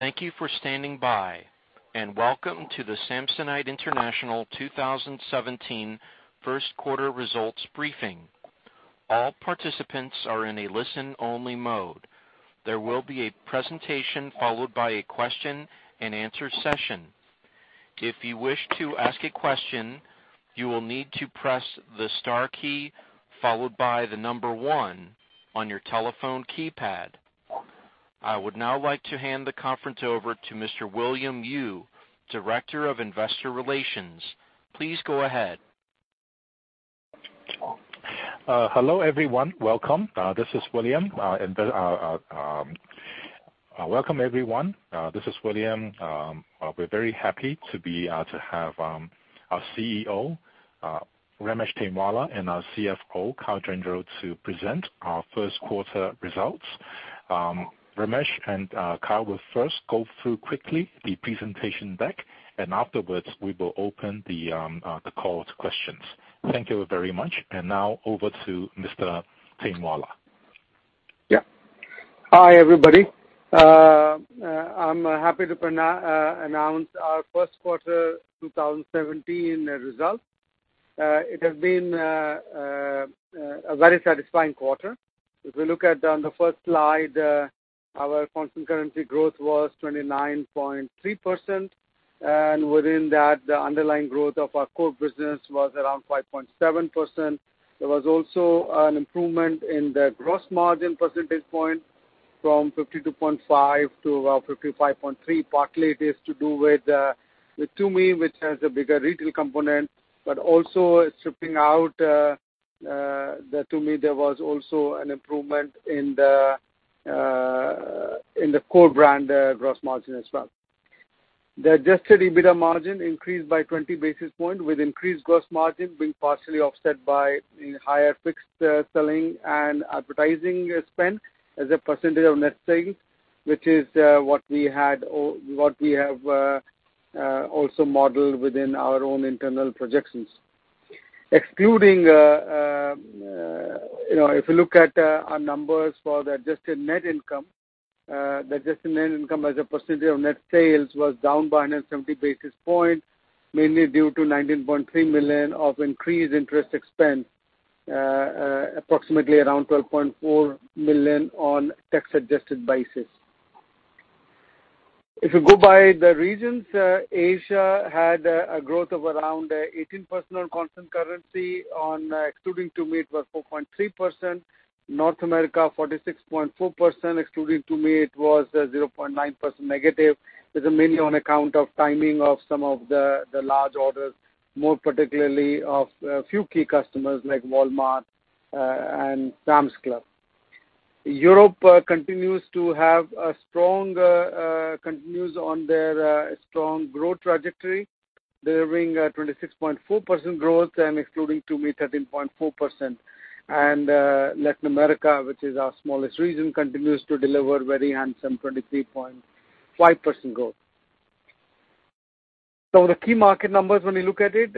Thank you for standing by, and welcome to the Samsonite International 2017 first quarter results briefing. All participants are in a listen-only mode. There will be a presentation followed by a question-and-answer session. If you wish to ask a question, you will need to press the star key followed by the number one on your telephone keypad. I would now like to hand the conference over to Mr. William Yue, Director of Investor Relations. Please go ahead. Hello, everyone. Welcome. This is William. We're very happy to have our CEO, Ramesh Tainwala, and our CFO, Kyle Gendreau, to present our first quarter results. Ramesh and Kyle will first go through quickly the presentation deck. Afterwards, we will open the call to questions. Thank you very much. Now over to Mr. Tainwala. Hi, everybody. I'm happy to announce our first quarter 2017 results. It has been a very satisfying quarter. If you look at on the first slide, our constant currency growth was 29.3%. Within that, the underlying growth of our core business was around 5.7%. There was also an improvement in the gross margin percentage point from 52.5%-55.3%. Partly it is to do with Tumi, which has a bigger retail component, but also stripping out the Tumi, there was also an improvement in the core brand gross margin as well. The adjusted EBITDA margin increased by 20 basis point with increased gross margin being partially offset by higher fixed selling and advertising spend as a percentage of net sales, which is what we have also modeled within our own internal projections. If you look at our numbers for the adjusted net income, the adjusted net income as a percentage of net sales was down by 170 basis point, mainly due to $19.3 million of increased interest expense, approximately around $12.4 million on tax-adjusted basis. If you go by the regions, Asia had a growth of around 18% on constant currency. Excluding Tumi, it was 4.3%. North America, 46.4%. Excluding Tumi, it was 0.9% negative. This is mainly on account of timing of some of the large orders, more particularly of a few key customers like Walmart and Sam's Club. Europe continues on their strong growth trajectory, delivering a 26.4% growth and excluding Tumi, 13.4%. Latin America, which is our smallest region, continues to deliver very handsome 23.5% growth. The key market numbers, when you look at it,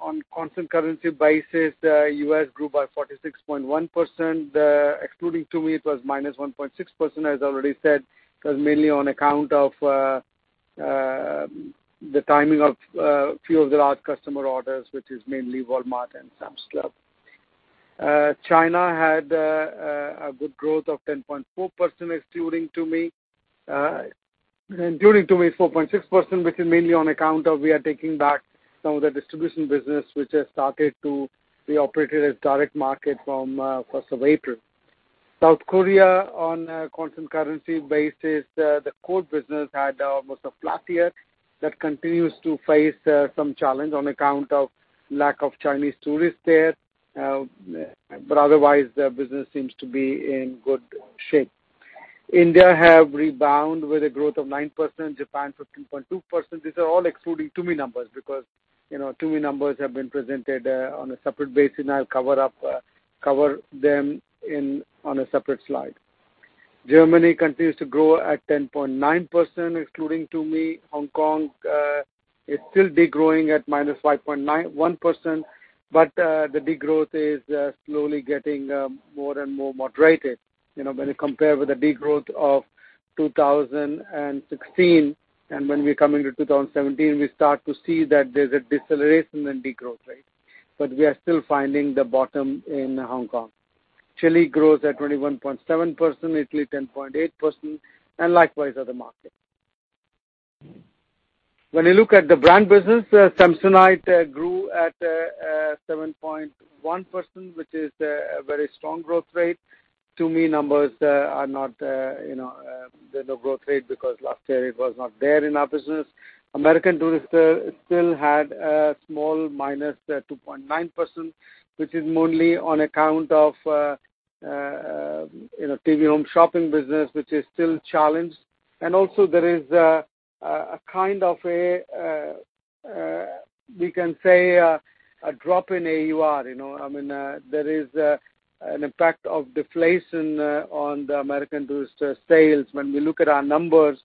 on constant currency basis, U.S. grew by 46.1%. Excluding Tumi, it was -1.6%, as already said, because mainly on account of the timing of few of the large customer orders, which is mainly Walmart and Sam's Club. China had a good growth of 10.4% including Tumi. Including Tumi, it's 4.6%, which is mainly on account of we are taking back some of the distribution business, which has started to be operated as direct market from 1st of April. South Korea on a constant currency basis, the core business had almost a flat year that continues to face some challenge on account of lack of Chinese tourists there. Otherwise, the business seems to be in good shape. India have rebound with a growth of 9%, Japan 15.2%. These are all excluding Tumi numbers because Tumi numbers have been presented on a separate basis, and I'll cover them on a separate slide. Germany continues to grow at 10.9%, excluding Tumi. Hong Kong is still degrowing at -5.1%, but the degrowth is slowly getting more and more moderated. When you compare with the degrowth of 2016 and when we come into 2017, we start to see that there's a deceleration in degrowth rate. We are still finding the bottom in Hong Kong. Chile grows at 21.7%, Italy 10.8%, and likewise other markets. When you look at the brand business, Samsonite grew at 7.1%, which is a very strong growth rate. Tumi numbers, there's no growth rate because last year it was not there in our business. American Tourister still had a small -2.9%, which is mainly on account of TV home shopping business, which is still challenged. Also there is, we can say, a drop in AUR. There is an impact of deflation on the American Tourister sales. When we look at our numbers,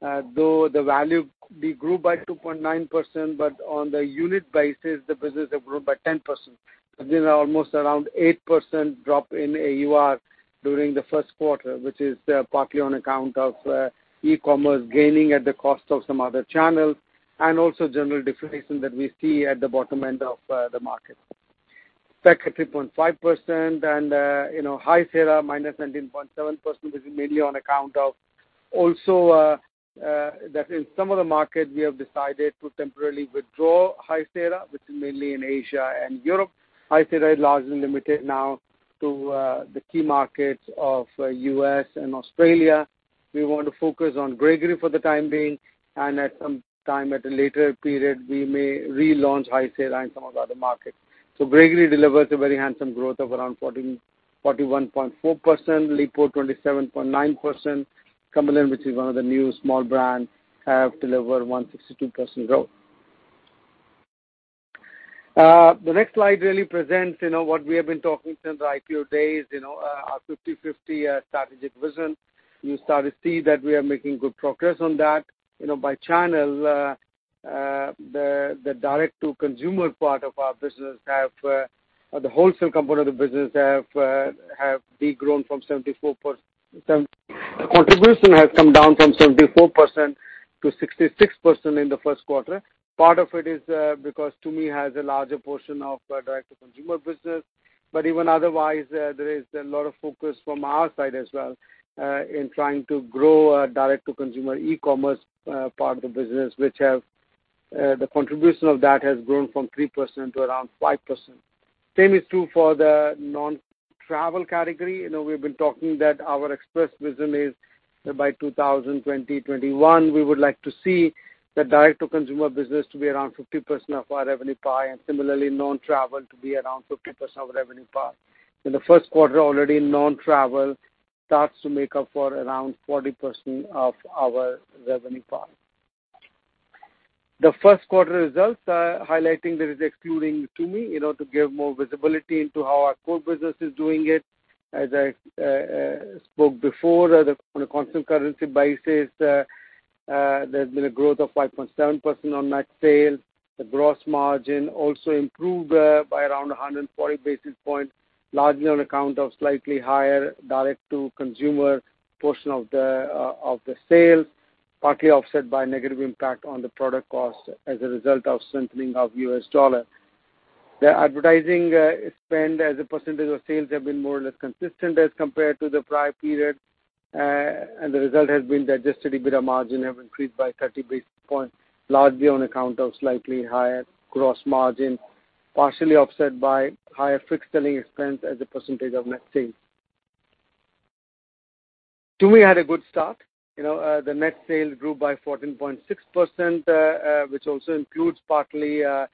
though the value grew by 2.9%, but on the unit basis, the business have grown by 10%. There's been almost around 8% drop in AUR during the first quarter, which is partly on account of e-commerce gaining at the cost of some other channels, and also general deflation that we see at the bottom end of the market. Speck at 3.5% and High Sierra -19.7%, which is mainly on account of also that in some of the markets, we have decided to temporarily withdraw High Sierra, which is mainly in Asia and Europe. High Sierra is largely limited now to the key markets of U.S. and Australia. We want to focus on Gregory for the time being, and at some time at a later period, we may relaunch High Sierra in some of the other markets. Gregory delivers a very handsome growth of around 41.4%, Lipault 27.9%. Cumberland, which is one of the new small brands, have delivered 162% growth. The next slide really presents what we have been talking since the IPO days, our 50/50 strategic vision. You start to see that we are making good progress on that. By channel, the direct-to-consumer part of our business, the wholesale component of the business have de-grown from 74%-- contribution has come down from 74% to 66% in the first quarter. Part of it is because Tumi has a larger portion of direct-to-consumer business. Even otherwise, there is a lot of focus from our side as well in trying to grow our direct-to-consumer e-commerce part of the business, which the contribution of that has grown from 3% to around 5%. Same is true for the non-travel category. We've been talking that our express vision is by 2021, we would like to see the direct-to-consumer business to be around 50% of our revenue pie, and similarly, non-travel to be around 50% of revenue pie. In the first quarter, already non-travel starts to make up for around 40% of our revenue pie. The first quarter results highlighting that is excluding Tumi, to give more visibility into how our core business is doing it. As I spoke before, on a constant currency basis, there's been a growth of 5.7% on net sales. The gross margin also improved by around 140 basis points, largely on account of slightly higher direct-to-consumer portion of the sales, partly offset by negative impact on the product cost as a result of strengthening of US dollar. The advertising spend as a percentage of sales have been more or less consistent as compared to the prior period. The result has been the adjusted EBITDA margin have increased by 30 basis points, largely on account of slightly higher gross margin, partially offset by higher fixed selling expense as a percentage of net sales. Tumi had a good start. The net sales grew by 14.6%, which also includes partly the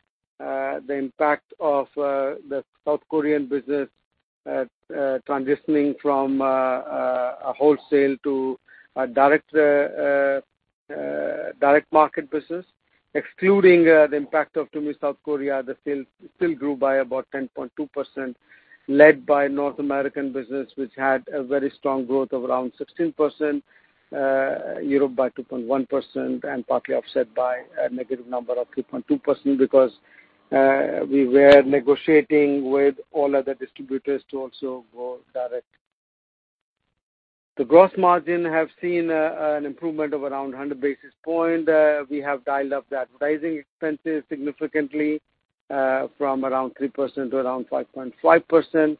impact of the South Korean business transitioning from a wholesale to a direct market business. Excluding the impact of Tumi South Korea, the sales still grew by about 10.2%, led by North American business, which had a very strong growth of around 16%, Europe by 2.1% and partly offset by a negative number of 3.2% because we were negotiating with all other distributors to also go direct. The gross margin have seen an improvement of around 100 basis points. We have dialed up the advertising expenses significantly, from around 3% to around 5.5%.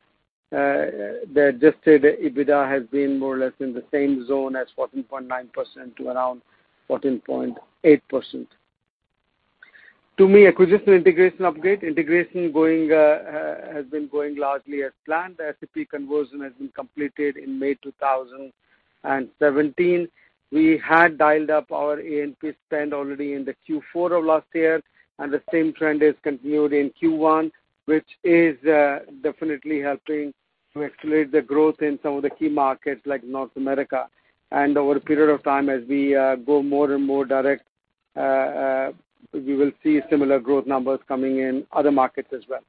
The adjusted EBITDA has been more or less in the same zone as 14.9%-14.8%. Tumi acquisition integration update. Integration has been going largely as planned. The SAP conversion has been completed in May 2017. We had dialed up our A&P spend already in the Q4 of last year, and the same trend has continued in Q1, which is definitely helping to accelerate the growth in some of the key markets like North America. Over a period of time, as we go more and more direct, we will see similar growth numbers coming in other markets as well.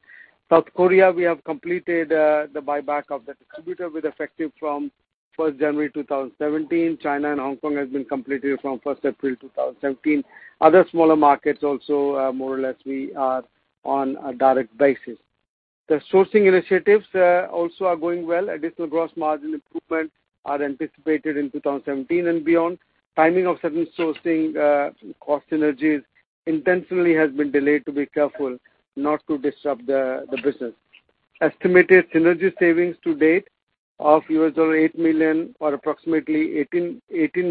South Korea, we have completed the buyback of the distributor with effective from 1st January 2017. China and Hong Kong has been completed from 1st April 2017. Other smaller markets also, more or less we are on a direct basis. The sourcing initiatives also are going well. Additional gross margin improvements are anticipated in 2017 and beyond. Timing of certain sourcing cost synergies intentionally has been delayed to be careful not to disrupt the business. Estimated synergy savings to date of $8 million or approximately $18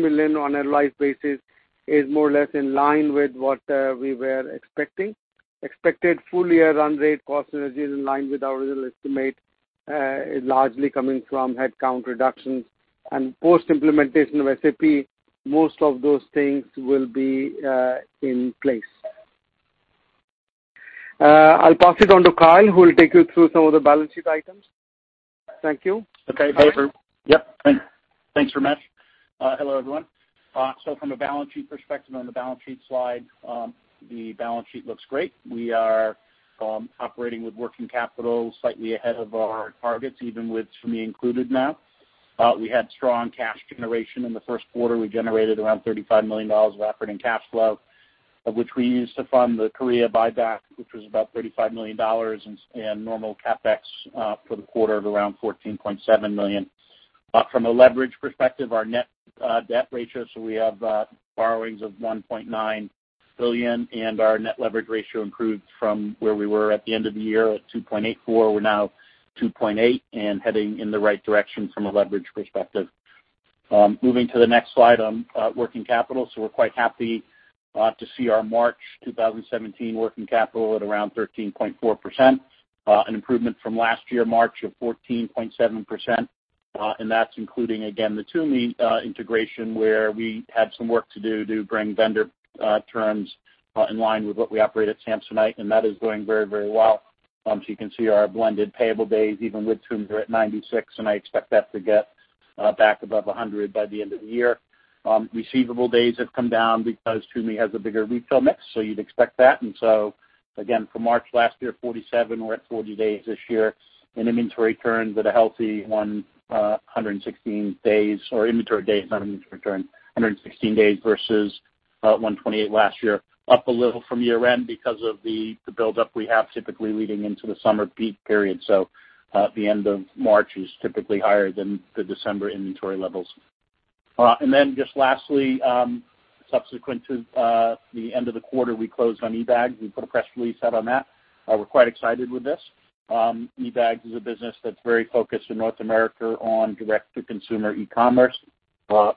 million on annualized basis is more or less in line with what we were expecting. Expected full-year run rate cost synergies in line with our original estimate is largely coming from headcount reductions. Post-implementation of SAP, most of those things will be in place. I'll pass it on to Kyle, who will take you through some of the balance sheet items. Thank you. Okay. Yep. Thanks, Ramesh. Hello, everyone. From a balance sheet perspective on the balance sheet slide, the balance sheet looks great. We are operating with working capital slightly ahead of our targets, even with Tumi included now. We had strong cash generation in the first quarter. We generated around $35 million of operating cash flow. Of which we used to fund the Korea buyback, which was about $35 million, and normal CapEx for the quarter of around $14.7 million. From a leverage perspective, our net debt ratio, we have borrowings of $1.9 billion, and our net leverage ratio improved from where we were at the end of the year at 2.84. We're now 2.8 and heading in the right direction from a leverage perspective. Moving to the next slide on working capital. We're quite happy to see our March 2017 working capital at around 13.4%, an improvement from last year, March, of 14.7%, and that's including, again, the Tumi integration, where we had some work to do to bring vendor terms in line with what we operate at Samsonite, and that is going very well. You can see our blended payable days, even with Tumi, we're at 96, and I expect that to get back above 100 by the end of the year. Receivable days have come down because Tumi has a bigger refill mix, you'd expect that. Again, for March last year, 47, we're at 40 days this year, and inventory turns at a healthy 116 days or inventory days, not inventory turn, 116 days versus 128 last year. Up a little from year-end because of the build-up we have typically leading into the summer peak period. The end of March is typically higher than the December inventory levels. Just lastly, subsequent to the end of the quarter, we closed on eBags. We put a press release out on that. We're quite excited with this. eBags is a business that's very focused in North America on direct-to-consumer e-commerce.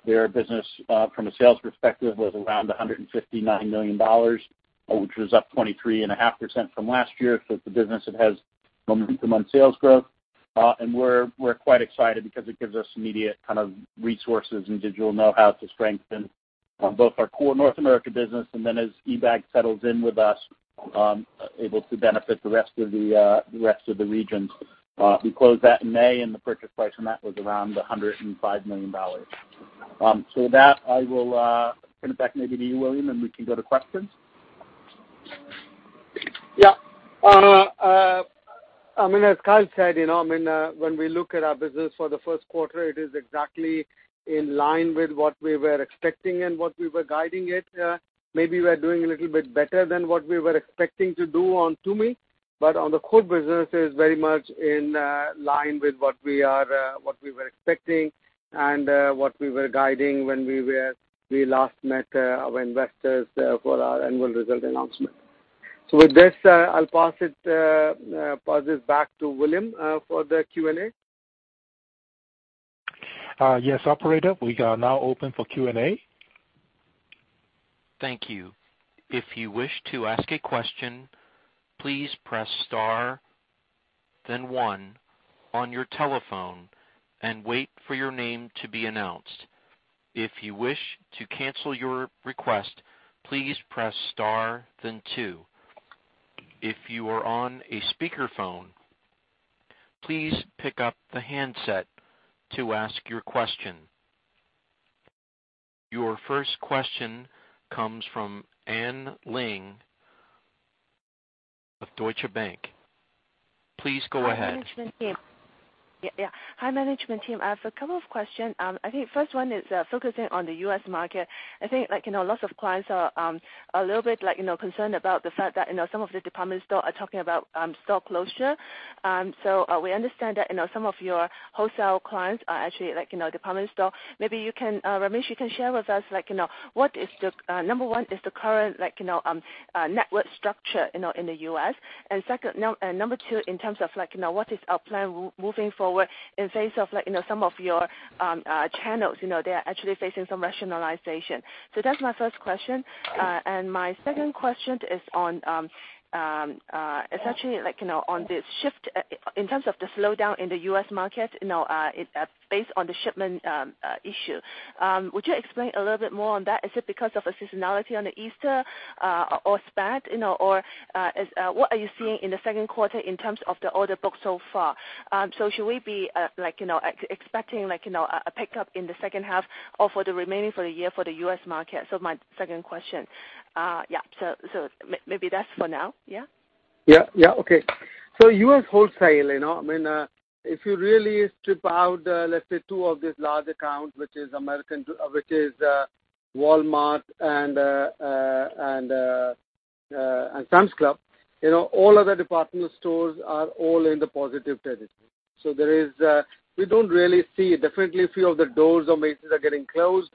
Their business, from a sales perspective, was around $159 million, which was up 23.5% from last year. It's a business that has month-to-month sales growth. We're quite excited because it gives us immediate resources and digital know-how to strengthen both our core North America business and as eBags settles in with us, able to benefit the rest of the regions. We closed that in May, and the purchase price on that was around $105 million. With that, I will turn it back maybe to you, William, and we can go to questions. Yeah. As Kyle said, when we look at our business for the first quarter, it is exactly in line with what we were expecting and what we were guiding it. Maybe we're doing a little bit better than what we were expecting to do on Tumi, but on the core business is very much in line with what we were expecting and what we were guiding when we last met our investors for our annual result announcement. With this, I'll pass it back to William for the Q&A. Yes, operator. We are now open for Q&A. Thank you. If you wish to ask a question, please press star then one on your telephone and wait for your name to be announced. If you wish to cancel your request, please press star then two. If you are on a speakerphone, please pick up the handset to ask your question. Your first question comes from Anne Ling of Deutsche Bank. Please go ahead. Hi, management team. I have a couple of questions. I think first one is focusing on the U.S. market. I think lots of clients are a little bit concerned about the fact that some of the department store are talking about store closure. We understand that some of your wholesale clients are actually department store. Maybe Ramesh, you can share with us, number one, is the current network structure in the U.S.? Number two, in terms of what is our plan moving forward in face of some of your channels, they are actually facing some rationalization. That's my first question. My second question is on essentially on this shift in terms of the slowdown in the U.S. market based on the shipment issue. Would you explain a little bit more on that? Is it because of a seasonality on the Easter or [S.p.A] What are you seeing in the second quarter in terms of the order book so far? Should we be expecting a pickup in the second half or for the remaining for the year for the U.S. market? My second question. Maybe that's for now. U.S. wholesale, if you really strip out, let's say two of these large accounts, which is Walmart and Sam's Club, all other department stores are all in the positive territory. We don't really see, definitely a few of the doors of Macy's are getting closed,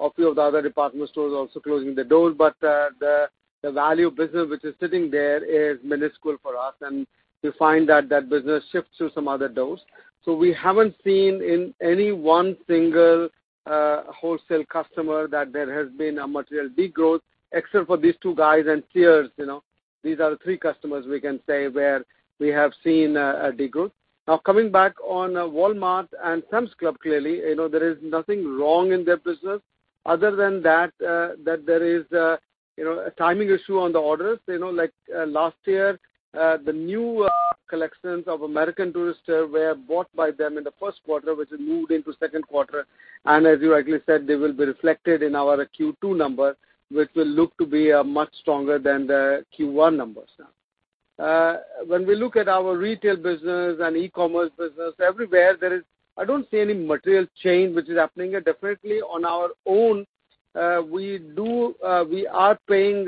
a few of the other department stores are also closing the doors, but the value business which is sitting there is minuscule for us, and we find that that business shifts to some other doors. We haven't seen in any one single wholesale customer that there has been a material degrowth except for these two guys and Sears. These are the three customers we can say where we have seen a degrowth. Coming back on Walmart and Sam's Club, clearly, there is nothing wrong in their business other than that there is a timing issue on the orders. Last year, the new collections of American Tourister were bought by them in the first quarter, which moved into second quarter. As you rightly said, they will be reflected in our Q2 number, which will look to be much stronger than the Q1 numbers. When we look at our retail business and e-commerce business, everywhere, I don't see any material change which is happening. Definitely, on our own, we are paying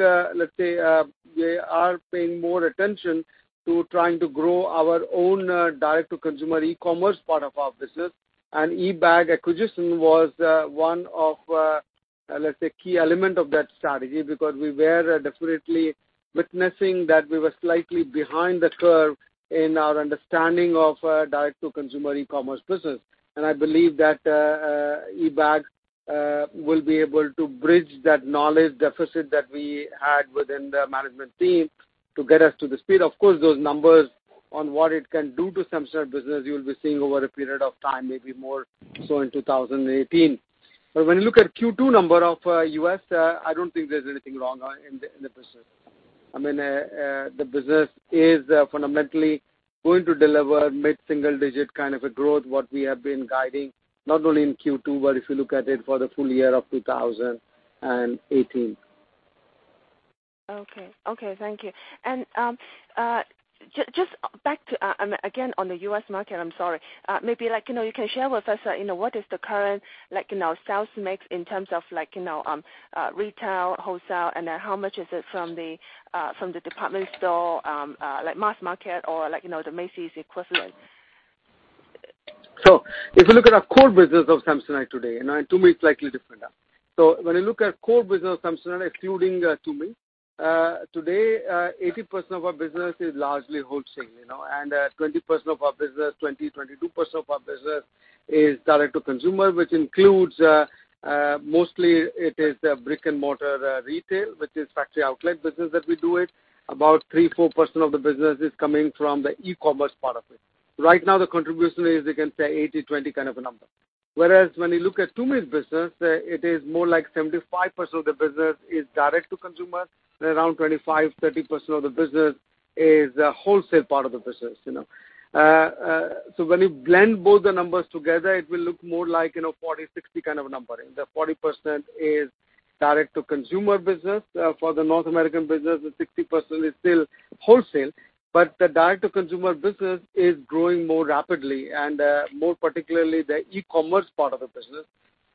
more attention to trying to grow our own direct-to-consumer e-commerce part of our business. eBags acquisition was one of the key elements of that strategy, because we were definitely witnessing that we were slightly behind the curve in our understanding of direct-to-consumer e-commerce business. I believe that eBags will be able to bridge that knowledge deficit that we had within the management team to get us to the speed. Of course, those numbers on what it can do to Samsonite business, you'll be seeing over a period of time, maybe more so in 2018. When you look at Q2 numbers of U.S., I don't think there's anything wrong in the business. The business is fundamentally going to deliver mid-single digit kind of a growth, what we have been guiding, not only in Q2, but if you look at it for the full year of 2018. Okay. Thank you. Just back to, again, on the U.S. market, I'm sorry. Maybe you can share with us, what is the current sales mix in terms of retail, wholesale, and then how much is it from the department store, like mass market or the Macy's equivalent? If you look at our core business of Samsonite today, Tumi is slightly different now. When you look at core business of Samsonite, excluding Tumi, today, 80% of our business is largely wholesale. 20%-22% of our business is direct-to-consumer, which includes, mostly it is brick-and-mortar retail, which is factory outlet business that we do it. About 3%-4% of the business is coming from the e-commerce part of it. Right now, the contribution is, you can say, 80/20 kind of a number. Whereas when you look at Tumi's business, it is more like 75% of the business is direct-to-consumer, and around 25%-30% of the business is wholesale part of the business. When you blend both the numbers together, it will look more like, 40/60 kind of a number. The 40% is direct-to-consumer business. For the North American business, the 60% is still wholesale. The direct-to-consumer business is growing more rapidly, and more particularly, the e-commerce part of the business,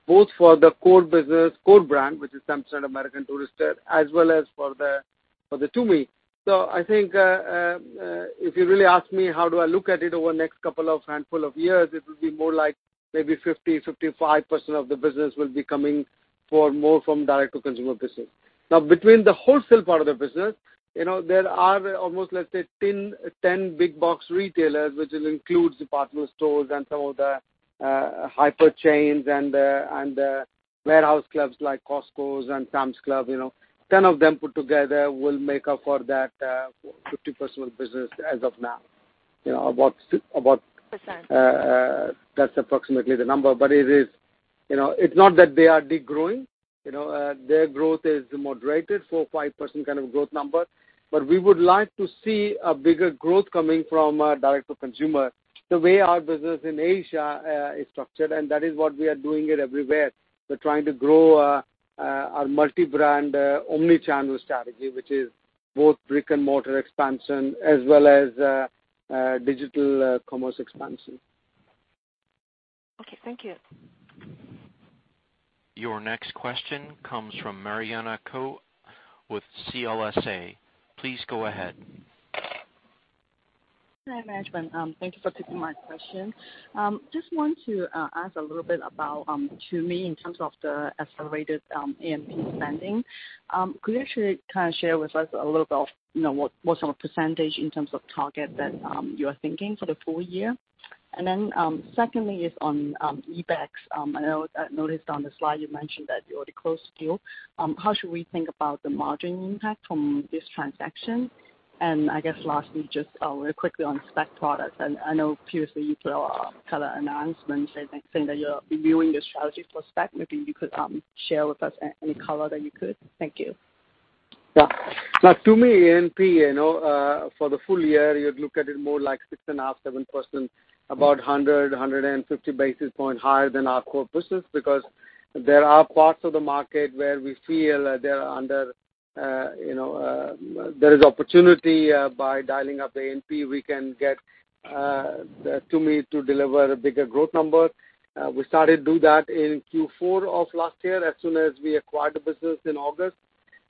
both for the core business, core brand, which is Samsonite American Tourister, as well as for the Tumi. I think, if you really ask me how do I look at it over the next handful of years, it will be more like maybe 50%-55% of the business will be coming more from direct-to-consumer business. Between the wholesale part of the business, there are almost, let's say, 10 big box retailers, which includes department stores and some of the hyper chains and warehouse clubs like Costco and Sam's Club. 10 of them put together will make up for that 50% of business as of now. Percent. That's approximately the number. It's not that they are de-growing. Their growth is moderated, 4%-5% kind of a growth number. We would like to see a bigger growth coming from our direct-to-consumer, the way our business in Asia is structured, and that is what we are doing it everywhere. We're trying to grow our multi-brand omnichannel strategy, which is both brick-and-mortar expansion as well as digital commerce expansion. Okay. Thank you. Your next question comes from Marianna Kou with CLSA. Please go ahead. Hi, management. Thank you for taking my question. Just want to ask a little bit about Tumi in terms of the accelerated A&P spending. Could you actually share with us a little bit of what sort of percentage in terms of target that you are thinking for the full year? Secondly is on eBags. I noticed on the slide you mentioned that you already closed the deal. How should we think about the margin impact from this transaction? Lastly, just really quickly on Speck products. I know previously you put out color announcements saying that you're reviewing your strategy for Speck. Maybe you could share with us any color that you could. Thank you. Yeah. Now, Tumi A&P, for the full year, you'd look at it more like 6.5%, 7%, about 100, 150 basis points higher than our core business, because there are parts of the market where we feel there is opportunity by dialing up the A&P, we can get Tumi to deliver a bigger growth number. We started to do that in Q4 of last year, as soon as we acquired the business in August.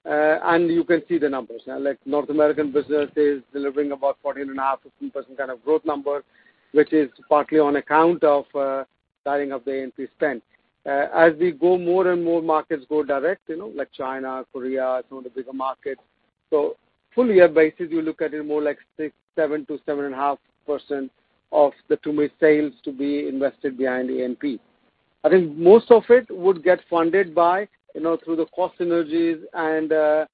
You can see the numbers now. North American business is delivering about 14.5%, 15% kind of growth number, which is partly on account of dialing up the A&P spend. As we go more and more markets go direct, like China, Korea, some of the bigger markets. Full year basis, you look at it more like 6%, 7% to 7.5% of the Tumi sales to be invested behind A&P. I think most of it would get funded through the cost synergies and the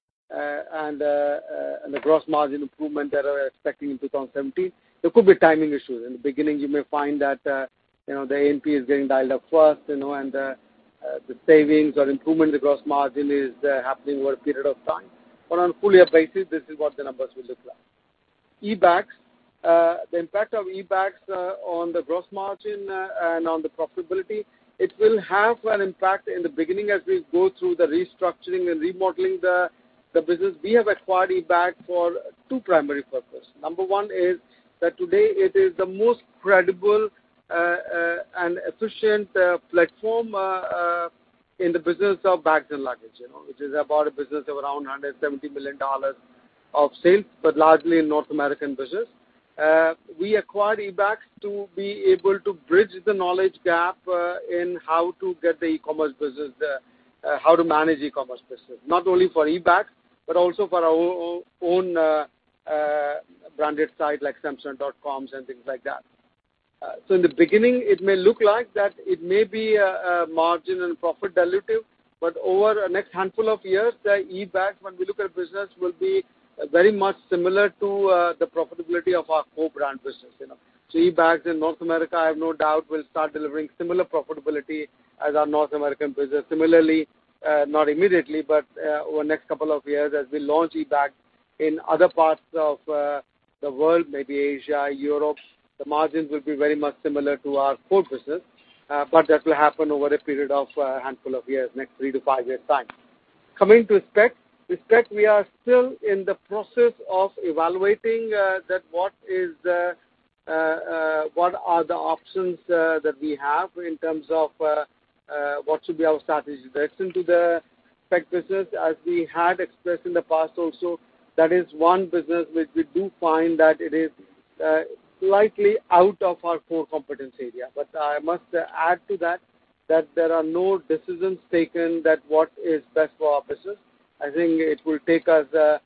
gross profit margin improvement that we're expecting in 2017. There could be timing issues. In the beginning, you may find that the A&P is getting dialed up first, and the savings or improvement in the gross profit margin is happening over a period of time. On a full year basis, this is what the numbers will look like. eBags The impact of eBags on the gross profit margin and on the profitability, it will have an impact in the beginning as we go through the restructuring and remodeling the business. We have acquired eBags for two primary purposes. Number one is that today it is the most credible and efficient platform in the business of bags and luggage which is about a business of around $170 million of sales, but largely a North American business. We acquired eBags to be able to bridge the knowledge gap in how to get the e-commerce business, how to manage e-commerce business, not only for eBags, but also for our own branded site like samsonite.com and things like that. In the beginning, it may look like that it may be marginal and profit dilutive, but over the next handful of years, the eBags, when we look at business, will be very much similar to the profitability of our core brand business. eBags in North America, I have no doubt, will start delivering similar profitability as our North American business. Similarly, not immediately, but over the next couple of years as we launch eBags in other parts of the world, maybe Asia, Europe, the margins will be very much similar to our core business. That will happen over a period of a handful of years, next three to five years' time. Coming to Speck. With Speck, we are still in the process of evaluating what are the options that we have in terms of what should be our strategic direction to the Speck business. As we had expressed in the past also, that is one business which we do find that it is slightly out of our core competence area. I must add to that there are no decisions taken that what is best for our business. I think it will take us a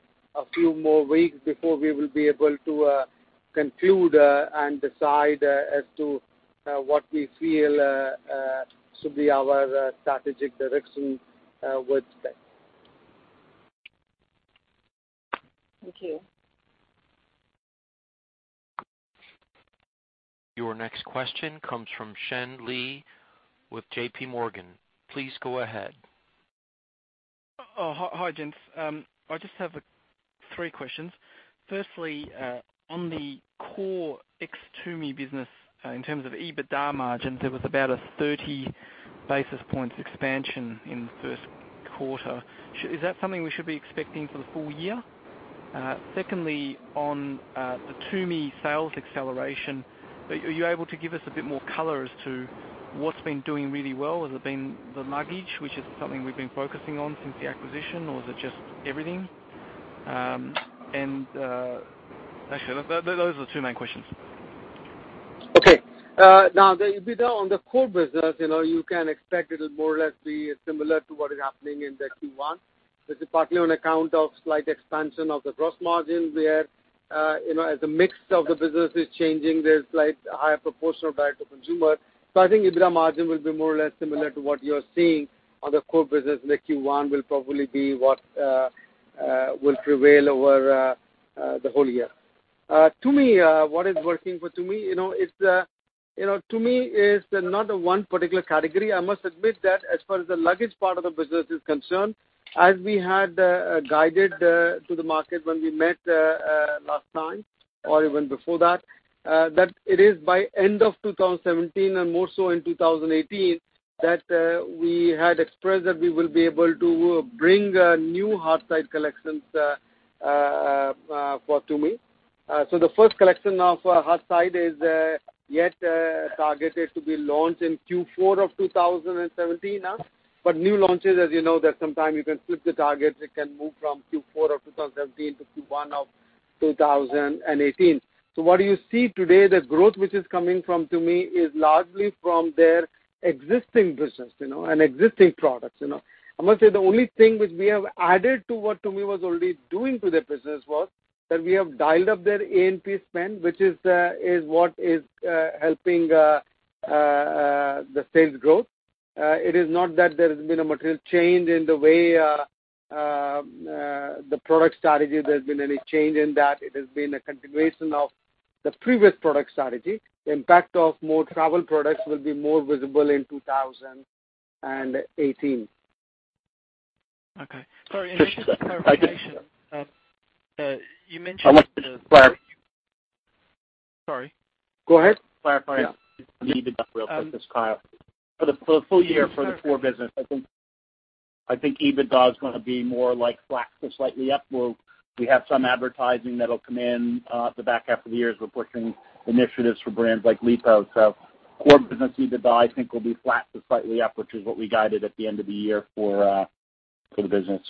few more weeks before we will be able to conclude and decide as to what we feel should be our strategic direction with Speck. Thank you. Your next question comes from Sheng Li with JP Morgan. Please go ahead. Oh, hi gents. I just have three questions. Firstly, on the core ex Tumi business, in terms of EBITDA margins, there was about a 30 basis points expansion in the first quarter. Is that something we should be expecting for the full year? Secondly, on the Tumi sales acceleration, are you able to give us a bit more color as to what's been doing really well? Has it been the luggage, which is something we've been focusing on since the acquisition, or is it just everything? Actually, those are the two main questions. Okay. The EBITDA on the core business, you can expect it'll more or less be similar to what is happening in the Q1. This is partly on account of slight expansion of the gross margin, where as the mix of the business is changing, there's slight higher proportion of direct-to-consumer. I think EBITDA margin will be more or less similar to what you're seeing on the core business in the Q1 will probably be what will prevail over the whole year. Tumi, what is working for Tumi, is not the one particular category. I must admit that as far as the luggage part of the business is concerned, as we had guided to the market when we met last time or even before that it is by end of 2017 and more so in 2018, that we had expressed that we will be able to bring new hard side collections for Tumi. The first collection of hard side is yet targeted to be launched in Q4 of 2017. New launches, as you know, that sometime you can flip the targets. It can move from Q4 of 2017 to Q1 of 2018. What you see today, the growth which is coming from Tumi is largely from their existing business, and existing products. I must say the only thing which we have added to what Tumi was already doing to their business was that we have dialed up their A&P spend, which is what is helping the sales growth. It is not that there has been a material change in the way the product strategy, there's been any change in that. It has been a continuation of the previous product strategy. The impact of more travel products will be more visible in 2018. Okay. Sorry, just a clarification. You mentioned the. I want to clarify. Sorry. Go ahead. Clarify on the EBITDA real quick. This is Kyle. For the full year for the core business, I think EBITDA is going to be more like flat to slightly up, where we have some advertising that'll come in the back half of the year as we're pushing initiatives for brands like Lipault. Core business EBITDA, I think will be flat to slightly up, which is what we guided at the end of the year for the business.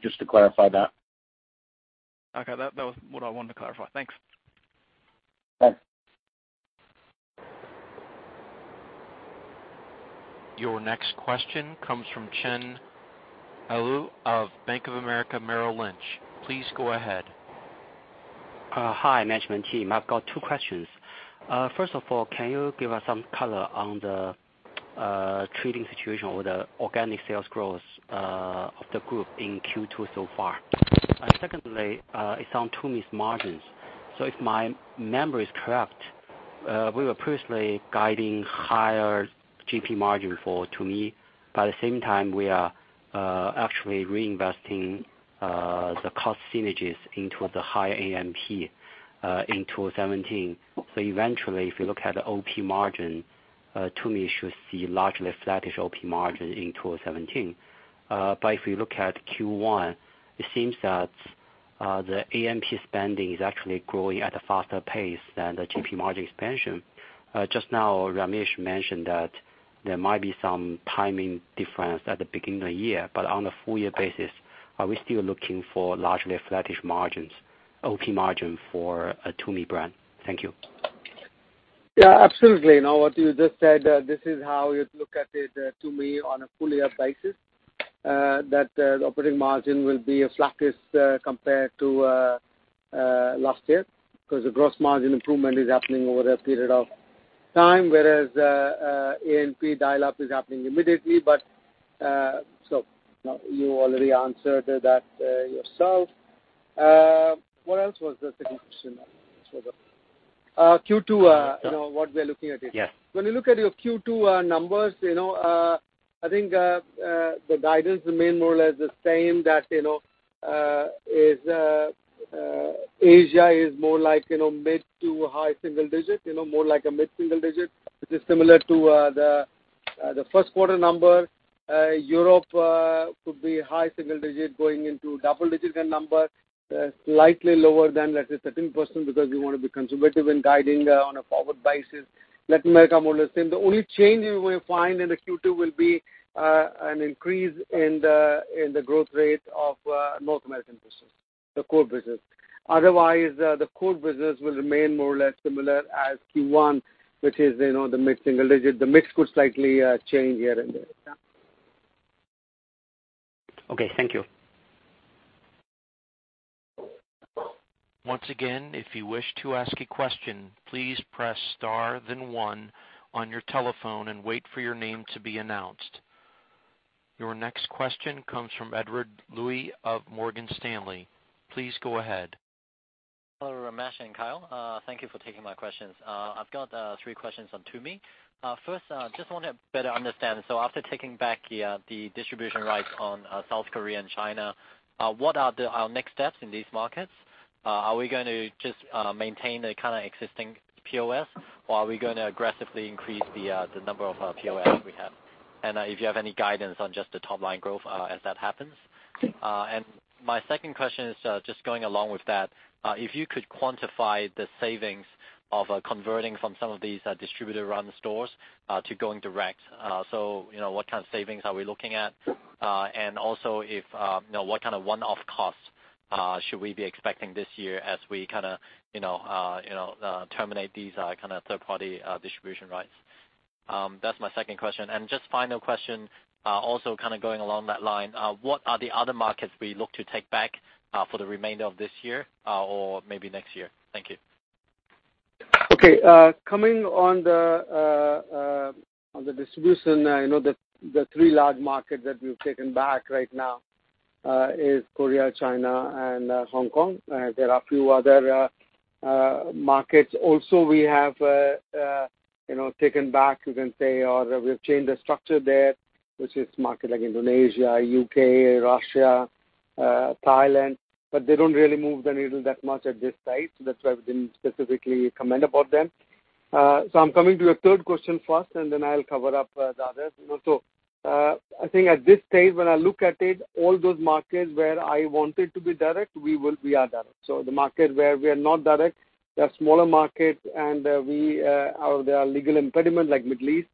Just to clarify that. Okay. That was what I wanted to clarify. Thanks. Thanks. Your next question comes from Chen Lu of Bank of America Merrill Lynch. Please go ahead. Hi, management team. I've got two questions. First of all, can you give us some color on the trading situation or the organic sales growth of the group in Q2 so far? Secondly, it's on Tumi's margins. If my memory is correct We were previously guiding higher GP margin for Tumi. At the same time, we are actually reinvesting the cost synergies into the higher A&P in 2017. Eventually, if you look at the OP margin, Tumi should see largely flattish OP margin in 2017. If you look at Q1, it seems that the A&P spending is actually growing at a faster pace than the GP margin expansion. Just now, Ramesh mentioned that there might be some timing difference at the beginning of the year. On a full-year basis, are we still looking for largely flattish margins, OP margin for Tumi brand? Thank you. Yeah, absolutely. What you just said, this is how you'd look at it, Tumi on a full-year basis, that the operating margin will be flattest compared to last year because the gross profit margin improvement is happening over a period of time, whereas A&P dial-up is happening immediately. You already answered that yourself. What else was the second question? Q2, what we are looking at it. Yes. When you look at your Q2 numbers, I think the guidance remain more or less the same, that Asia is more like mid- to high-single digit, more like a mid-single digit, which is similar to the first quarter number. Europe could be high-single digit going into double-digit number, slightly lower than, let's say, 13%, because we want to be conservative in guiding on a forward basis. Latin America, more or less same. The only change you will find in the Q2 will be an increase in the growth rate of North American business, the core business. Otherwise, the core business will remain more or less similar as Q1, which is the mid-single digit. The mix could slightly change here and there. Okay, thank you. Once again, if you wish to ask a question, please press star then one on your telephone and wait for your name to be announced. Your next question comes from Edward Louie of Morgan Stanley. Please go ahead. Hello, Ramesh and Kyle. Thank you for taking my questions. I've got three questions on Tumi. First, just want to better understand, after taking back the distribution rights on South Korea and China, what are the next steps in these markets? Are we going to just maintain the existing POS, or are we going to aggressively increase the number of POS we have? If you have any guidance on just the top-line growth as that happens. My second question is just going along with that. If you could quantify the savings of converting from some of these distributor-run stores to going direct. What kind of savings are we looking at? Also, what kind of one-off costs should we be expecting this year as we terminate these third-party distribution rights? That's my second question. Just final question, also going along that line, what are the other markets we look to take back for the remainder of this year or maybe next year? Thank you. Okay. Coming on the distribution, the three large markets that we've taken back right now is Korea, China, and Hong Kong. There are a few other markets also we have taken back, you can say, or we've changed the structure there, which is market like Indonesia, U.K., Russia, Thailand, but they don't really move the needle that much at this stage. That's why we didn't specifically comment about them. I'm coming to your third question first, and then I'll cover up the others. I think at this stage, when I look at it, all those markets where I wanted to be direct, we are direct. The market where we are not direct, they're smaller markets, and there are legal impediments like Middle East.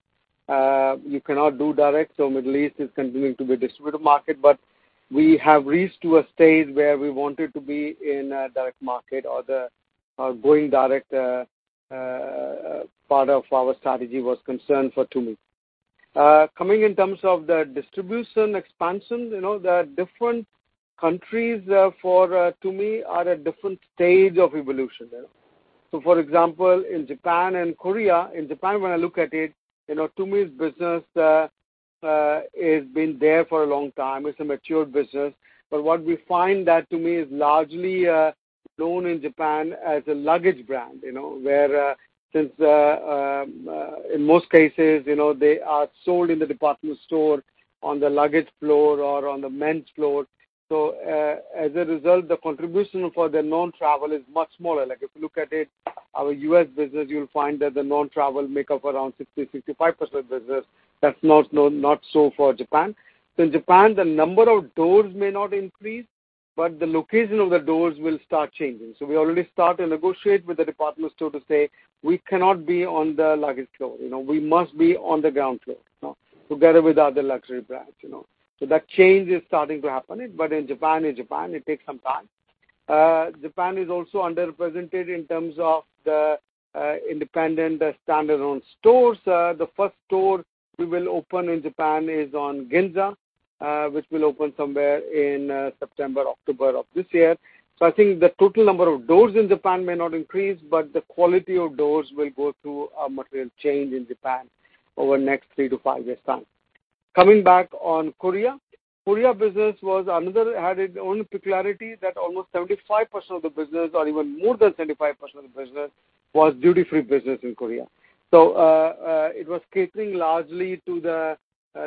You cannot do direct, Middle East is continuing to be distributive market. We have reached to a stage where we wanted to be in a direct market or going direct part of our strategy was concerned for Tumi. Coming in terms of the distribution expansion, the different countries for Tumi are at different stage of evolution. For example, in Japan and Korea, in Japan, when I look at it, Tumi's business has been there for a long time. It's a mature business. What we find that Tumi is largely known in Japan as a luggage brand. Where since in most cases, they are sold in the department store on the luggage floor or on the men's floor. As a result, the contribution for the non-travel is much smaller. Like if you look at it, our U.S. business, you'll find that the non-travel make up around 60%-65% business. That's not so for Japan. In Japan, the number of doors may not increase, but the location of the doors will start changing. We already start to negotiate with the department store to say, "We cannot be on the luggage floor. We must be on the ground floor together with other luxury brands." That change is starting to happen. In Japan, it takes some time. Japan is also underrepresented in terms of the independent standalone stores. The first store we will open in Japan is on Ginza, which will open somewhere in September, October of this year. I think the total number of doors in Japan may not increase, but the quality of doors will go through a material change in Japan over next three to five years' time. Coming back on Korea. Korea business had its own peculiarity that almost 75% of the business, or even more than 75% of the business, was duty-free business in Korea. It was catering largely to the,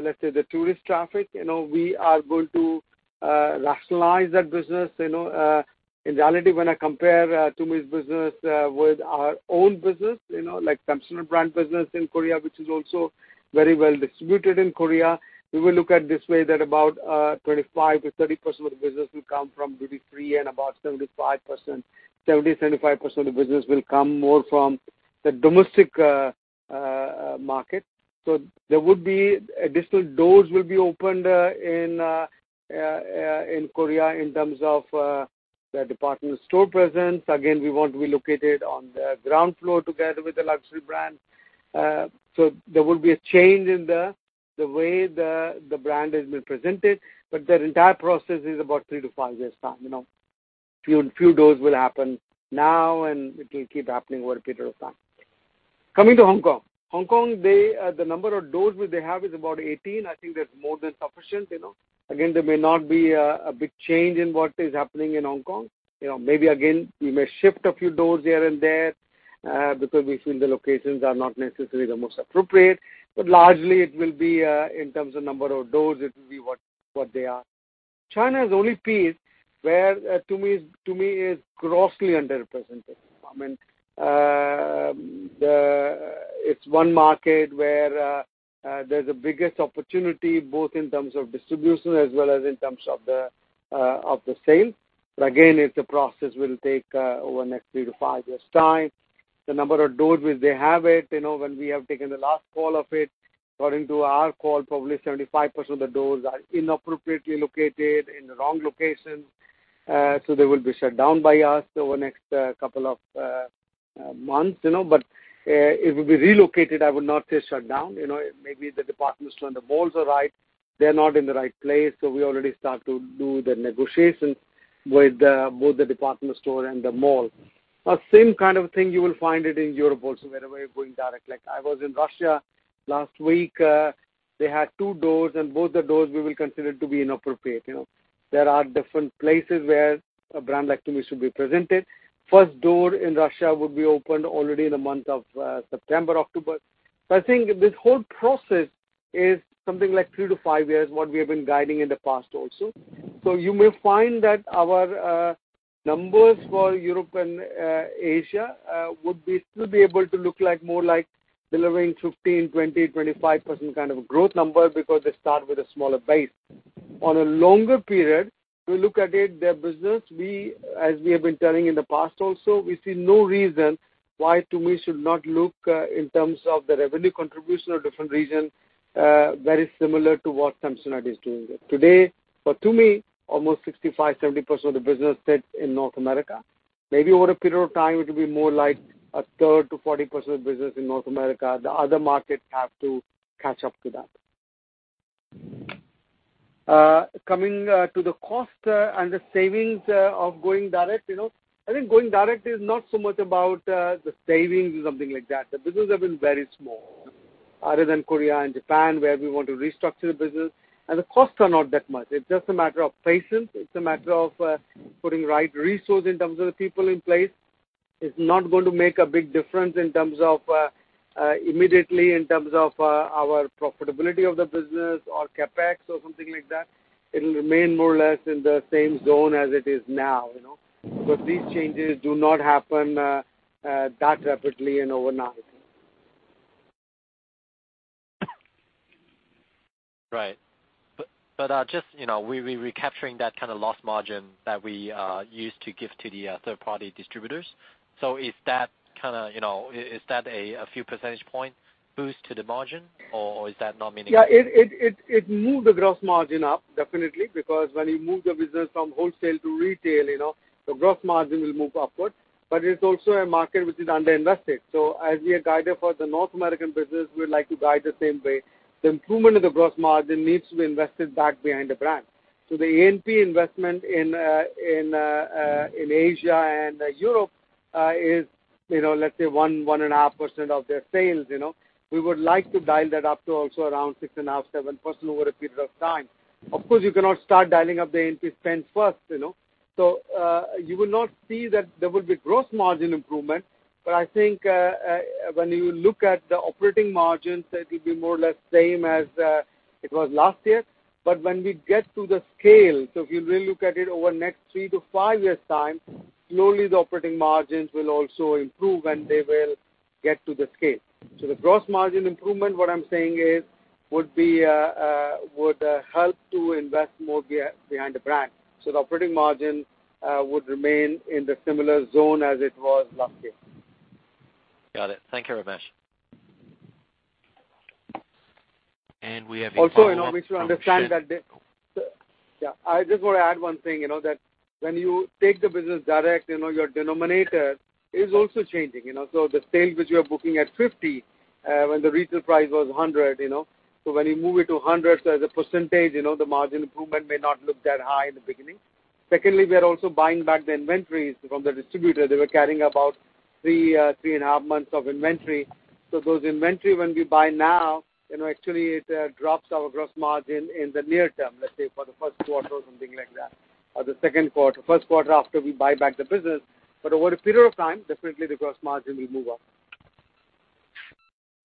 let's say, the tourist traffic. We are going to rationalize that business. In reality, when I compare Tumi's business with our own business, like Samsonite brand business in Korea, which is also very well distributed in Korea, we will look at this way that about 25%-30% of the business will come from duty-free and about 70%-75% of business will come more from the domestic market. There would be additional doors will be opened in Korea in terms of the department store presence. Again, we want to be located on the ground floor together with the luxury brand. There will be a change in the way the brand has been presented, but that entire process is about three to five years' time. Few doors will happen now, and it will keep happening over a period of time. Coming to Hong Kong. Hong Kong, the number of doors which they have is about 18. I think that's more than sufficient. Again, there may not be a big change in what is happening in Hong Kong. Maybe again, we may shift a few doors here and there, because we feel the locations are not necessarily the most appropriate. Largely, it will be in terms of number of doors, it will be what they are. China is the only piece where Tumi is grossly underrepresented at the moment. It's one market where there's the biggest opportunity, both in terms of distribution as well as in terms of the sale. Again, it's a process that will take over the next three to five years' time. The number of doors which they have it, when we have taken the last call of it, according to our call, probably 75% of the doors are inappropriately located, in the wrong locations. They will be shut down by us over the next couple of months. It will be relocated, I would not say shut down. Maybe the department store and the malls are right. They're not in the right place, we already start to do the negotiations with both the department store and the mall. Same kind of thing, you will find it in Europe also, where we are going direct. I was in Russia last week. They had two doors, and both the doors we will consider to be inappropriate. There are different places where a brand like Tumi should be presented. First door in Russia would be opened already in the month of September, October. I think this whole process is something like 3 to 5 years, what we have been guiding in the past also. You may find that our numbers for Europe and Asia would still be able to look more like delivering 15%, 20%, 25% kind of a growth number, because they start with a smaller base. On a longer period, we look at it, their business, as we have been telling in the past also, we see no reason why Tumi should not look, in terms of the revenue contribution of different regions, very similar to what Samsonite is doing. Today, for Tumi, almost 65%, 70% of the business sits in North America. Maybe over a period of time, it will be more like a 30%-40% business in North America. The other markets have to catch up to that. Coming to the cost and the savings of going direct. I think going direct is not so much about the savings or something like that. The business have been very small, other than Korea and Japan, where we want to restructure the business. The costs are not that much. It's just a matter of patience. It's a matter of putting right resource, in terms of the people in place. It's not going to make a big difference immediately in terms of our profitability of the business or CapEx or something like that. It'll remain more or less in the same zone as it is now. These changes do not happen that rapidly and overnight. Right. Just, we're recapturing that kind of lost margin that we used to give to the third-party distributors. Is that a few percentage point boost to the margin, or is that not meaningful? Yeah. It moved the gross margin up, definitely. Because when you move the business from wholesale to retail, the gross margin will move upward. It's also a market which is under-invested. As we had guided for the North American business, we'd like to guide the same way. The improvement in the gross margin needs to be invested back behind the brand. The A&P investment in Asia and Europe is, let's say, 1.5% of their sales. We would like to dial that up to also around 6.5%, 7% over a period of time. Of course, you cannot start dialing up the A&P spends first. You will not see that there will be gross margin improvement. I think when you look at the operating margins, that it'll be more or less same as it was last year. When we get to the scale, if you really look at it over the next 3 to 5 years' time, slowly the operating margins will also improve, and they will get to the scale. The gross profit margin improvement, what I am saying is, would help to invest more behind the brand. The operating margin would remain in the similar zone as it was last year. Got it. Thank you, Ramesh. We have a follow-on from Sachin. Make sure you understand that I just want to add one thing, that when you take the business direct, your denominator is also changing. The sales which you are booking at $50, when the retail price was $100. When you move it to $100, as a percentage, the margin improvement may not look that high in the beginning. Secondly, we are also buying back the inventories from the distributor. They were carrying about three and a half months of inventory. Those inventory when we buy now, actually it drops our gross profit margin in the near term, let's say for the first quarter or something like that, or the second quarter. First quarter after we buy back the business. Oqver a period of time, definitely the gross profit margin will move up.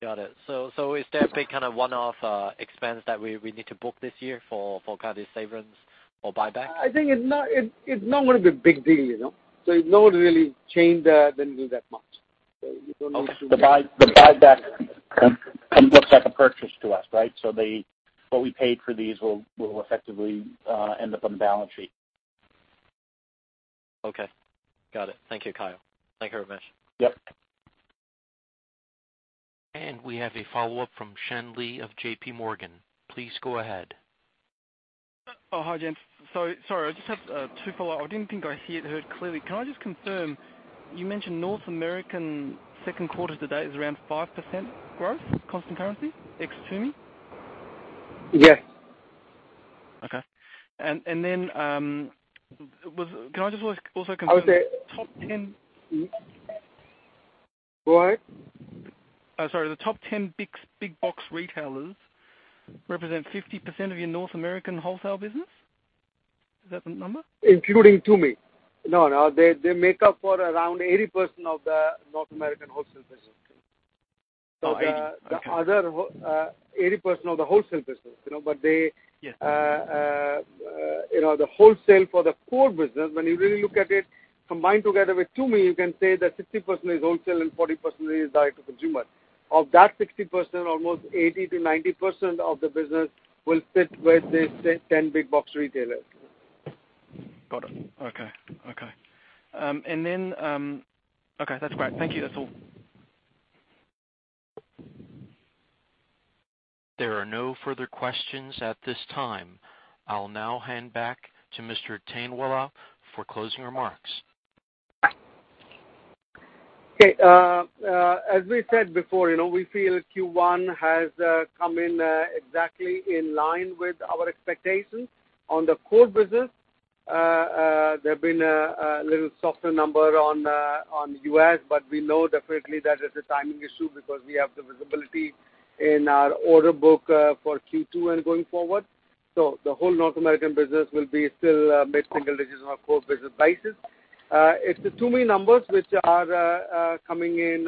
Got it. Is there a big kind of one-off expense that we need to book this year for kind of these severance or buyback? I think it's not going to be a big deal. It won't really change the revenue that much. Okay. The buyback looks like a purchase to us, right? What we paid for these will effectively end up on the balance sheet. Okay. Got it. Thank you, Kyle. Thank you, Ramesh. Yep. We have a follow-up from Sheng Li of JP Morgan. Please go ahead. Oh, hi, gents. Sorry, I just have two follow-up. I didn't think I heard clearly. Can I just confirm, you mentioned North American second quarter to date is around 5% growth, constant currency, ex Tumi? Yes. Okay. Can I just also confirm. I would say. the top 10- Go ahead. Oh, sorry. The top 10 big-box retailers represent 50% of your North American wholesale business? Is that the number? Including Tumi. No, they make up for around 80% of the North American wholesale business. Okay. 80% of the wholesale business. Yes. The wholesale for the core business, when you really look at it combined together with Tumi, you can say that 60% is wholesale and 40% is direct to consumer. Of that 60%, almost 80%-90% of the business will sit with these 10 big-box retailers. Got it. Okay. Okay, that's great. Thank you. That's all. There are no further questions at this time. I'll now hand back to Mr. Tainwala for closing remarks. Okay. As we said before, we feel Q1 has come in exactly in line with our expectations. On the core business, there have been a little softer number on U.S., but we know definitely that is a timing issue because we have the visibility in our order book for Q2 and going forward. The whole North American business will be still mid-single digits on a core business basis. It's the Tumi numbers which are coming in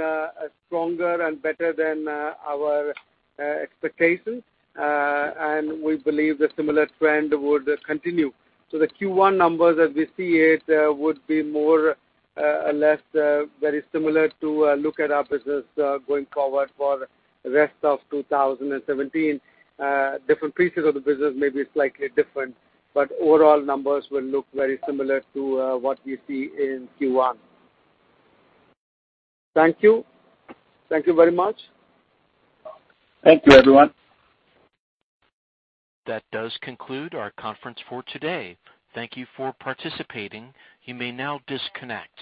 stronger and better than our expectations. We believe the similar trend would continue. The Q1 numbers as we see it, would be more or less very similar to look at our business going forward for the rest of 2017. Different pieces of the business may be slightly different, but overall numbers will look very similar to what we see in Q1. Thank you. Thank you very much. Thank you, everyone. That does conclude our conference for today. Thank you for participating. You may now disconnect.